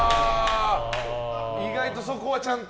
意外とそこはちゃんと。